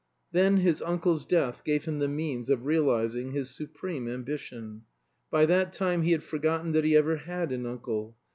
Then his uncle's death gave him the means of realizing his supreme ambition. By that time he had forgotten that he ever had an uncle.